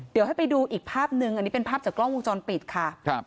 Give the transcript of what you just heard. เดี๋ยวให้ไปดูอีกภาพนึงอันนี้เป็นภาพจากกล้องวงจรปิดค่ะครับ